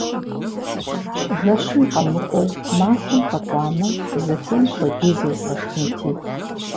Жэщым къэмыкӀуэу махуэм къакӀуэмэ, зыхуейм хуэдиз езгъэшхынти!